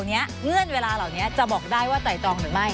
อันนี้เงื่อนเวลาเหล่านี้จะบอกได้ว่าไต่ตองหรือไม่